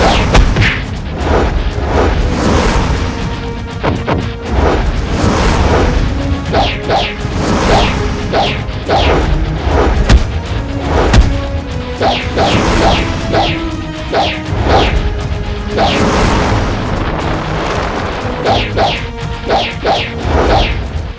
mereka terus mengejar aku